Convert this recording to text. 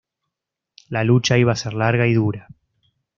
La lucha iba a ser larga y dura.